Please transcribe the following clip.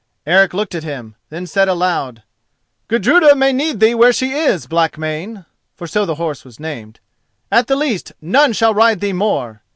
Eric looked at him, then said aloud: "Gudruda may need thee where she is, Blackmane," for so the horse was named. "At the least, none shall ride thee more!"